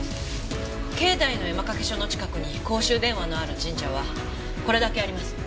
境内の絵馬掛け所の近くに公衆電話のある神社はこれだけあります。